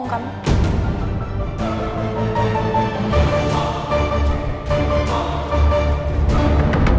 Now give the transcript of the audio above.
gak usah banyak ngomong kamu